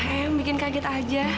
eyang bikin kaget aja